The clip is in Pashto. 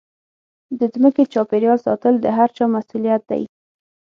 د ځمکې چاپېریال ساتل د هرچا مسوولیت دی.